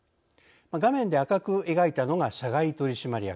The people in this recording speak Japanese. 画面で赤く描いたのが社外取締役。